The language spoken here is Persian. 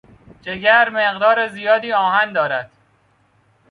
جگر مقدار زیادی آهن دارد.